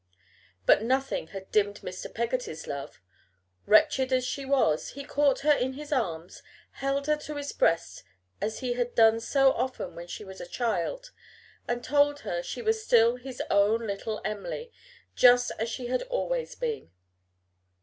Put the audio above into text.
But nothing had dimmed Mr. Peggotty's love. Wretched as she was, he caught her in his arms, held her to his breast as he had done so often when she was a child, and told her she was still his own little Em'ly, just as she had always been.